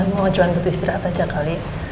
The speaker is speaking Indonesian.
mau cuan buat istirahat aja kali